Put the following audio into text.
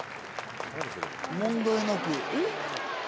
問題なく。